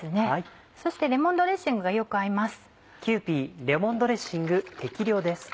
そして「レモンドレッシング」がよく合います。